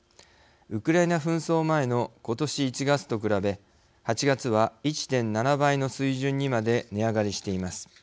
ウクライナ紛争前の今年１月と比べ８月は１．７倍の水準にまで値上がりしています。